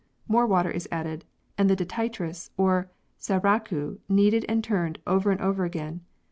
More water is added and the detritus or " sarraku " kneaded and turned, over and over again.